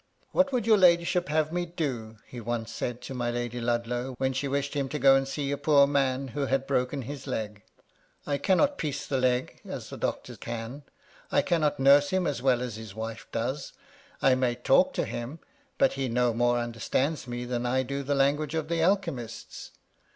" What would your ladyship have me to do ?" he once said to my Lady Ludlow, when she wished him to go and see a poor man who had broken his leg. " I cannot piece the leg as the doctor can ; I cannot nurse him as well as his wife does ; I may talk to him, but 36 MY LADY LUDLOW. he no more understands me than I do the language of the alchemists.